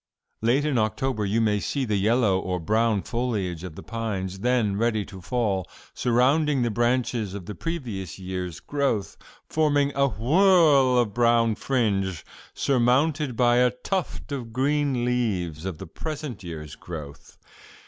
Late in October you may see the yellow or brown foliage of the pines, then ready to fall, surrounding the branches of the previous year's growth, forming a whorl of brown fringe surmounted by a tuft of green leaves of the present year's growth.